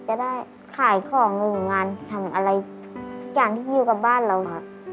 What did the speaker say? จะได้ขายของอยู่งานทำอะไรทุกอย่างที่อยู่กับบ้านเราค่ะ